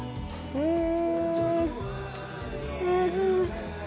うん。